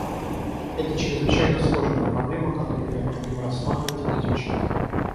Это чрезвычайно сложная проблема, которую необходимо рассматривать и изучать.